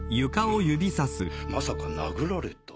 うむまさか殴られた？